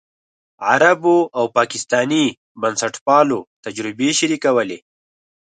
عربو او پاکستاني بنسټپالو تجربې شریکولې.